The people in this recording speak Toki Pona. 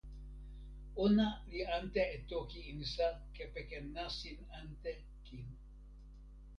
ona li ante e toki insa kepeken nasin ante kin.